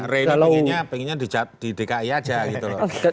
reno pengennya di dki aja gitu loh